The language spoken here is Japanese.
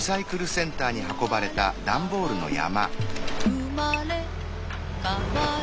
「うまれかわる」